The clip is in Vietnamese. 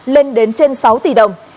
lên đến trên sáu tỷ đồng